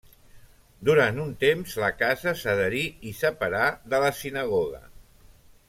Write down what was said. Durant un temps la casa s'adherí i separà de la sinagoga.